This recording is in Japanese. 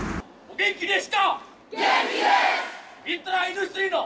元気です！